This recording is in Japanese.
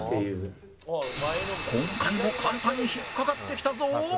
今回も簡単に引っ掛かってきたぞ！